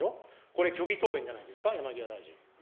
これ、虚偽答弁じゃないですか、山際大臣。